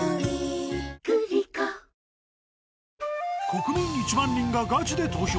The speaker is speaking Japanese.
国民１万人がガチで投票！